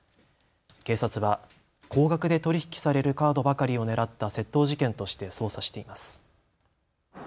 警察は高額で取り引きされるカードばかりを狙った窃盗事件として捜査しています。